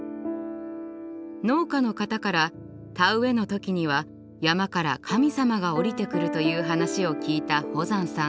農家の方から田植えの時には山から神様がおりてくるという話を聞いた保山さん。